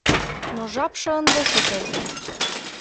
— Но жапше ынде шуко эртен.